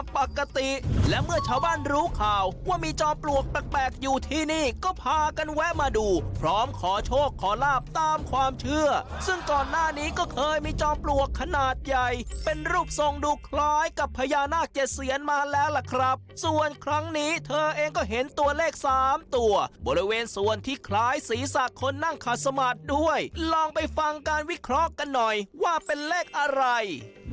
ปกติและเมื่อชาวบ้านรู้ข่าวว่ามีจอมปลวกแปลกอยู่ที่นี่ก็พากันแวะมาดูพร้อมขอโชคขอลาบตามความเชื่อซึ่งก่อนหน้านี้ก็เคยมีจอมปลวกขนาดใหญ่เป็นรูปทรงดูคล้ายกับพญานาคเจ็ดเซียนมาแล้วล่ะครับส่วนครั้งนี้เธอเองก็เห็นตัวเลขสามตัวบริเวณส่วนที่คล้ายศีรษะคนนั่งขาดสมาธิด้วยลองไปฟังการวิเคราะห์กันหน่อยว่าเป็นเลขอะไร